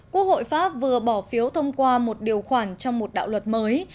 quốc hội pháp vừa bỏ phiếu thông qua một điều khoản trong một đạo luật mới